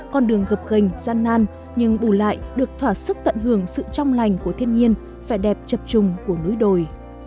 con đường gập gành gian nan nhưng bù lại được thỏa sức tận hưởng sự trong lành của thiên nhiên vẻ đẹp chập trùng của núi đồi